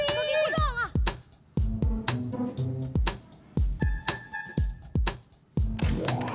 kau diurang ah